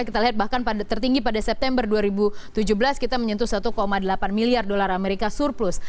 kita lihat bahkan tertinggi pada september dua ribu tujuh belas kita menyentuh satu delapan miliar dolar amerika surplus